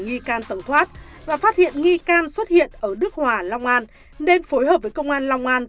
nghi can tổng thoát và phát hiện nghi can xuất hiện ở đức hòa long an nên phối hợp với công an long an